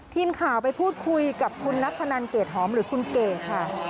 ทีมข่าวไปพูดคุยกับคุณนัทพนันเกรดหอมหรือคุณเกดค่ะ